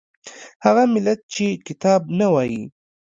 هغه ملت چې کتاب نه وايي